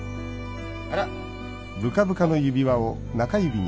あら？